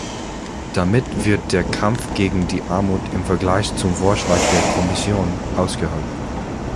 Damit wird der Kampf gegen die Armut im Vergleich zum Vorschlag der Kommission ausgehöhlt.